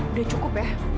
udah cukup ya